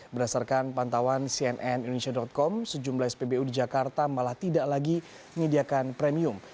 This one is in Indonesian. berdasarkan pantauan cnn indonesia com sejumlah spbu di jakarta malah tidak lagi menyediakan premium